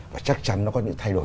và chắc chắn nó có những thay đổi